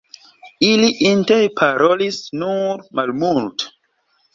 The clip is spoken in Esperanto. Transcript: Ili interparolis nur malmulte.